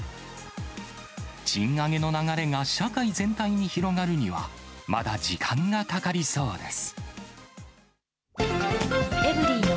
賃上げの流れが社会全体に広がるには、まだ時間がかかりそうです。